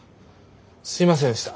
すいませんでした。